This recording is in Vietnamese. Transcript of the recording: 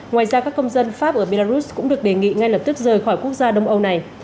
ngoài ra các công dân pháp ở belarus cũng được đề nghị ngay lập tức rời khỏi quốc gia đông âu này